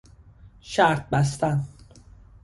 شرط بستن